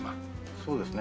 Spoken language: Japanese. そうですね。